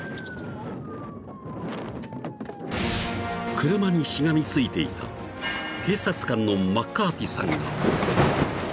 ［車にしがみついていた警察官のマッカーティさんが］